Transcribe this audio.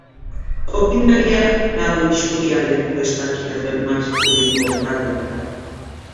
Okindegia lau isurialdeko estalkia duen masa kubiko erraldoia da.